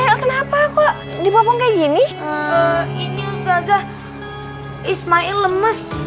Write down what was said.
ini kenapa kok di bawah kayak gini ini ustadz ismail lemes